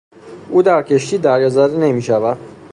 او در کشتی دریازده نمیشود.